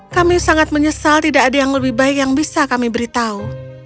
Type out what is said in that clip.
kami sangat menyesal tidak ada yang lebih baik yang bisa kami beritahu